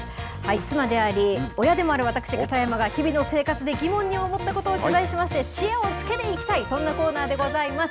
妻であり親でもある私、片山が日々の生活で疑問に思ったことを取材しまして、知恵をつけていきたい、そんなコーナーでございます。